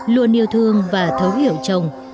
luôn yêu thương và thấu hiểu chồng